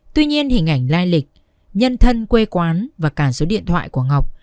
tuy nhiên hình ảnh lai lịch nhân thân quê quán và cả số điện thoại của ngọc